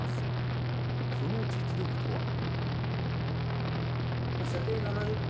その実力とは。